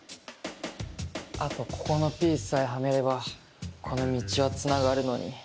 あとここのピースさえはめればこの道はつながるのに。